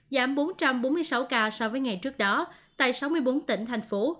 giảm bốn trăm bốn mươi sáu ca so với ngày trước đó tại sáu mươi bốn tỉnh thành phố